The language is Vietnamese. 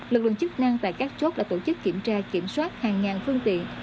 lực lượng chức năng tại các chốt đã tổ chức kiểm tra kiểm soát hàng ngàn phương tiện